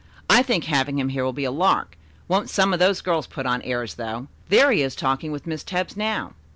I think having him here will be a lark. Won't some of those girls put on airs, though. There he is talking with Miss Tebbs now."